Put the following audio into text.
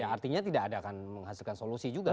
ya artinya tidak ada akan menghasilkan solusi juga ya